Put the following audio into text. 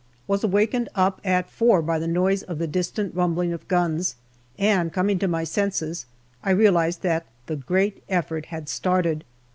Was awakened up at four by the noise of the distant rumbling of guns, and coming to my senses, I realized that the great effort had started.